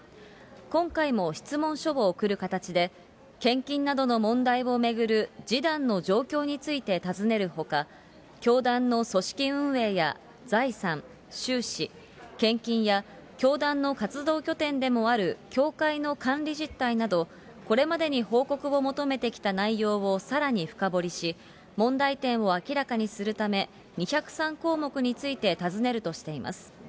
今回も質問書を送る形で、献金などの問題を巡る示談の状況について尋ねるほか、教団の組織運営や財産、収支、献金や、教団の活動拠点でもある教会の管理実態など、これまでに報告を求めてきた内容をさらに深掘りし、問題点を明らかにするため、２０３項目について尋ねるとしています。